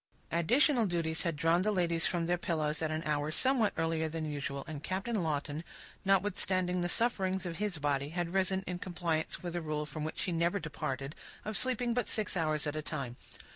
Additional duties had drawn the ladies from their pillows at an hour somewhat earlier than usual; and Captain Lawton, notwithstanding the sufferings of his body, had risen in compliance with a rule from which he never departed, of sleeping but six hours at a time.